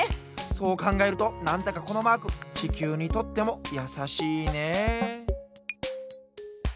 そうかんがえるとなんだかこのマークちきゅうにとってもやさしいねえ。